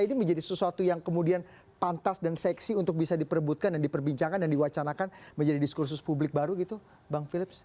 ini menjadi sesuatu yang kemudian pantas dan seksi untuk bisa diperebutkan dan diperbincangkan dan diwacanakan menjadi diskursus publik baru gitu bang philips